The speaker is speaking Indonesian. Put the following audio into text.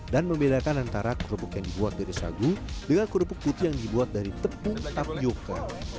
dan membedakan antara kerupuk yang dibuat dari sagu dengan kerupuk putih yang dibuat dari tepung tapioca